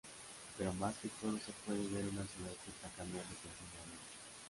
Pero más que todo se puede ver una ciudad que está cambiando continuamente.